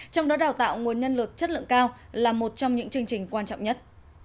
trong đó đào tạo nguồn nhân lực chất lượng cao là một trong những chương trình quan trọng nhất